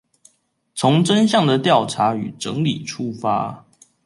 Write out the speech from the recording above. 從真相的調查與整理出發